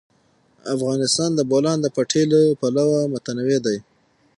افغانستان د د بولان پټي له پلوه متنوع دی.